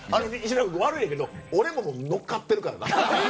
悪いけど俺も乗っかってるからな。